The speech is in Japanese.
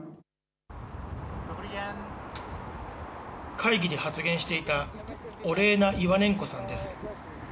会議で発言していた、オレーナ・イワネンコさんです。